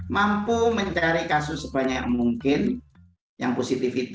menurutnya dalam melihat data haruslah secara keseluruhan karena jumlah kasus memang bergantung pada jumlah testing